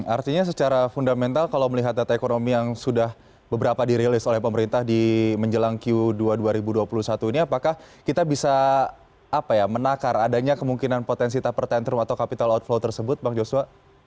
artinya secara fundamental kalau melihat data ekonomi yang sudah beberapa dirilis oleh pemerintah di menjelang q dua dua ribu dua puluh satu ini apakah kita bisa menakar adanya kemungkinan potensi temper tantrum atau capital outflow tersebut pak joshua